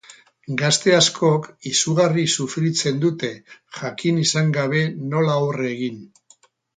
Gazte askok izugarri sufritzen dute, jakin izan gabe nola aurre egin.